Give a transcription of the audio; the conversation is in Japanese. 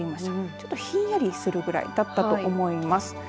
ちょっとひんやりするぐらいだったと思います。